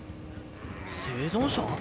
生存者？